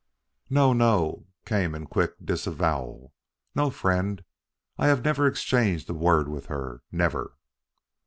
"No, no!" came in quick disavowal. "No friend. I have never exchanged a word with her never."